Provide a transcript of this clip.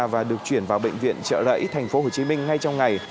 và được chuyển vào bệnh viện trợ lẫy thành phố hồ chí minh ngay trong ngày